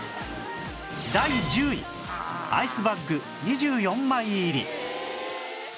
第１０位アイスバッグ２４枚入り